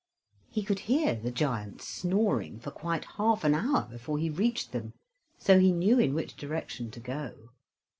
He could hear the giants snoring for quite half an hour before he reached them, so he knew in which direction to go.